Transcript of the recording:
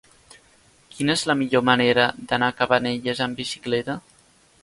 Quina és la millor manera d'anar a Cabanelles amb bicicleta?